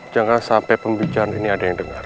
jangan sampai pembicaraan ini ada yang dengar